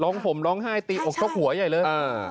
ร้องผมร้องไห้ตีอกทกหัวแย่เลย